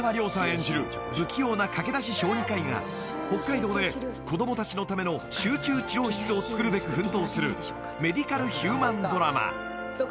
演じる不器用な駆け出し小児科医が北海道で子供たちのための集中治療室をつくるべく奮闘するメディカルヒューマンドラマ］